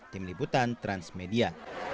tim liputan transmedia